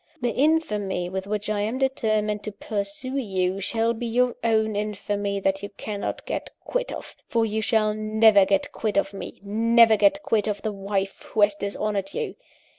The infamy with which I am determined to pursue you, shall be your own infamy that you cannot get quit of for you shall never get quit of me, never get quit of the wife who has dishonoured you.